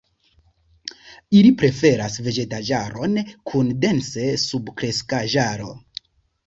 Ili preferas vegetaĵaron kun dense subkreskaĵaro.